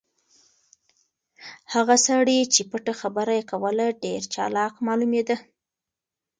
هغه سړی چې پټه خبره یې کوله ډېر چالاک معلومېده.